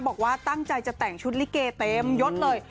บอกว่าตั้งใจจะแต่งชุดลิเกเต็มยดเลย